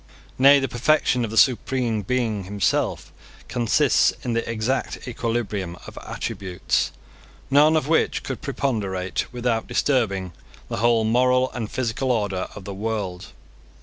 Nay, the perfection of the Supreme Being himself consists in the exact equilibrium of attributes, none of which could preponderate without disturbing the whole moral and physical order of the world.